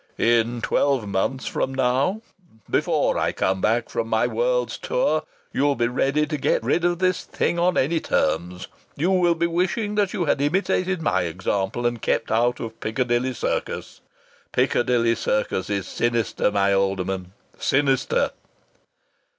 "In twelve months from now before I come back from my world's tour you'll be ready to get rid of this thing on any terms. You will be wishing that you had imitated my example and kept out of Piccadilly Circus. Piccadilly Circus is sinister, my Alderman sinister."